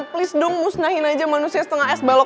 please dong musnahin aja manusia setengah es balok